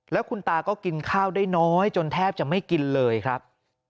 แล้วคุณตาก็กินข้าวได้น้อยจนแทบจะไม่กินเลยครับ